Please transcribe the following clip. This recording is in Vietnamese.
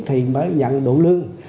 thì mới nhận đủ lương